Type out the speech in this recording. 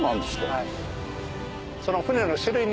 はい。